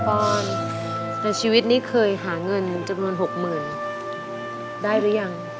ปอนในชีวิตนี้เคยหาเงินจำนวน๖๐๐๐ได้หรือยัง